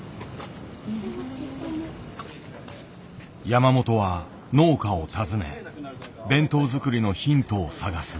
山本は農家を訪ね弁当作りのヒントを探す。